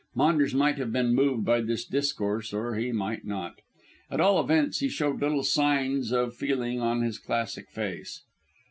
Maunders might have been moved by this discourse, or he might not. At all events, he showed little signs of feeling on his classic face.